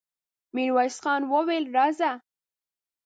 ميرويس خان وويل: راځه!